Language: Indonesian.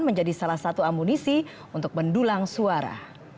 menjadi salah satu amunisi untuk mendulang suara